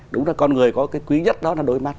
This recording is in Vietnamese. đúng là con người có cái quý nhất đó là đôi mắt